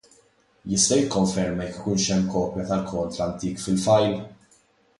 Jista' jikkonferma jekk ikunx hemm kopja tal-kont l-antik fil-file?